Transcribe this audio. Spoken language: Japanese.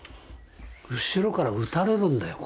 後ろから撃たれるんだよ